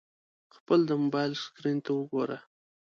خپل د موبایل سکرین ته وګوره !